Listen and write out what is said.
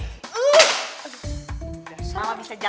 nih percaya sama ini nih